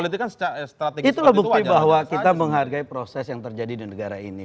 itulah bukti bahwa kita menghargai proses yang terjadi di negara ini